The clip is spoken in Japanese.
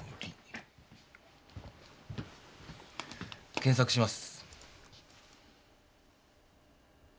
検索します。